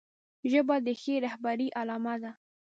ژبه د ښې رهبرۍ علامه ده